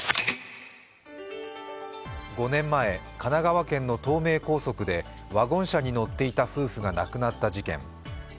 ５年前、神奈川県の東名高速でワゴン車に乗っていた夫婦が亡くなった事件。